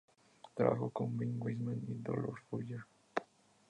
Trabajó con Ben Weisman y Dolores Fuller.